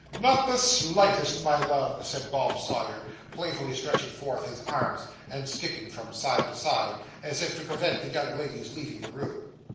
'Not the slightest, my love,' said Bob Sawyer, playfully stretching forth his arms, and skipping from side to side, as if to prevent the young lady's leaving the room.